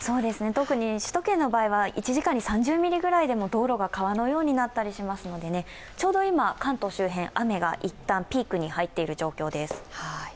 特に首都圏の場合は１時間に３０ミリぐらいでも道路が川のようになったりしますのでちょうど今、関東周辺、雨がいったんピークに入っている状況です。